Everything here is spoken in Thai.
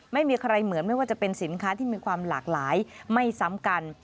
ไม่มีใครเหมือนไม่ว่าจะเป็นสินค้าที่มีความหลากหลายไม่ซ้ำกัน